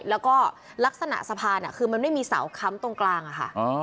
แล้วก็ลักษณะสะพานคือมันไม่มีเสาค้ำตรงกลางอะค่ะ